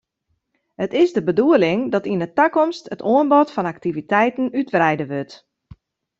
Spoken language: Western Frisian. It is de bedoeling dat yn 'e takomst it oanbod oan aktiviteiten útwreide wurdt.